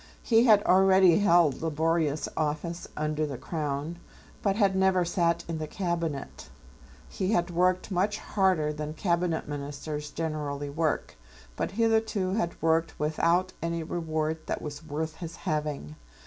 He had already held laborious office under the Crown, but had never sat in the Cabinet. He had worked much harder than Cabinet Ministers generally work, but hitherto had worked without any reward that was worth his having.